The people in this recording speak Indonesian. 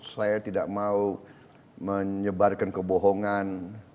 saya tidak mau menyebarkan kebohongan